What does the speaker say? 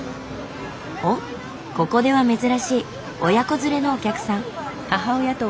おっここでは珍しい親子連れのお客さん。